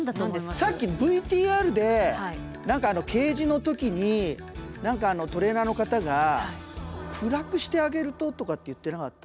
さっきＶＴＲで何かケージの時に何かトレーナーの方が暗くしてあげるととかって言ってなかった？